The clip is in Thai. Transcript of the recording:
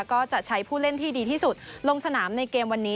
ก็จะใช้ผู้เล่นที่ดีที่สุดลงสนามในเกมวันนี้